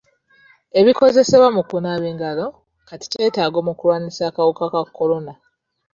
Ebikozesebwa mu kunaaba engalo kati kyetaago mu kulwanyisa akawuka ka kolona.